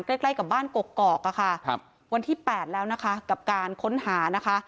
ใกล้กับบ้านกรกอกวันที่๘แล้วกับการค้นหา